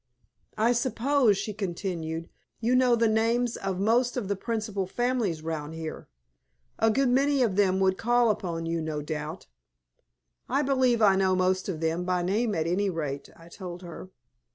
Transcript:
"I suppose," she continued, "you know the names of most of the principal families round here. A good many of them would call upon you, no doubt?" "I believe I know most of them, by name at any rate," I told her.